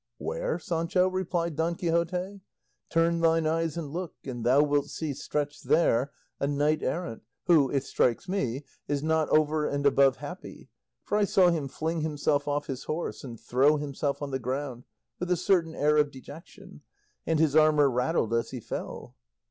"Where, Sancho?" replied Don Quixote; "turn thine eyes and look, and thou wilt see stretched there a knight errant, who, it strikes me, is not over and above happy, for I saw him fling himself off his horse and throw himself on the ground with a certain air of dejection, and his armour rattled as he fell."